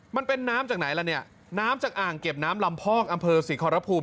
มันเป็นน้ำจากไหนล่ะเนี่ยน้ำจากอ่างเก็บน้ำลำพอกอำเภอศรีขอรภูมิ